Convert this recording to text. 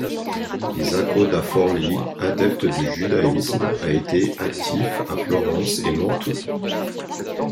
Isacco da Forlì, adepte du judaïsme, a été actif à Florence et Mantoue.